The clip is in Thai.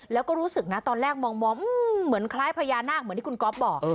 แล้วก็รู้สึกนะตอนแรกมองเหมือนคล้ายพญานาคเหมือนที่คุณก๊อฟบอก